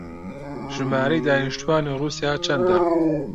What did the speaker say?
ژمارەی دانیشتووانی ڕووسیا چەندە؟